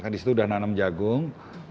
di situ udah nanam jagung